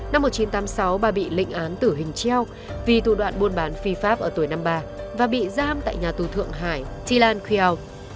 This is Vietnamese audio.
năm một nghìn chín trăm tám mươi sáu bà bị lệnh án tử hình treo vì thủ đoạn buôn bán phi pháp ở tuổi năm mươi ba và bị giam tại nhà tù thượng hải thị lan khuy hào